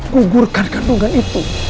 gugurkan kandungan itu